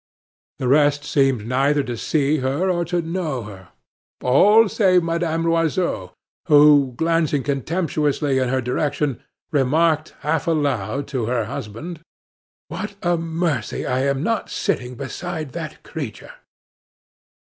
The rest seemed neither to see nor to know her all save Madame Loiseau, who, glancing contemptuously in her direction, remarked, half aloud, to her husband: "What a mercy I am not sitting beside that creature!"